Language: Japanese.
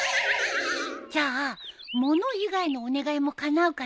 じゃあ物以外のお願いもかなうかな？